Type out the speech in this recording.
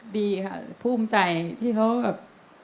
ดีค่ะภูมิใจที่เขาแบบ